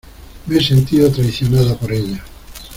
me he sentido traicionada por ella.